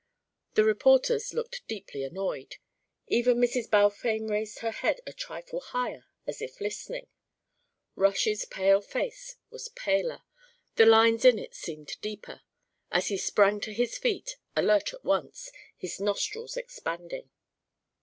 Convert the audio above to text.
The reporters looked deeply annoyed; even Mrs. Balfame raised her head a trifle higher as if listening; Rush's pale face was paler, the lines in it seemed deeper, as he sprang to his feet, alert at once, his nostrils expanding.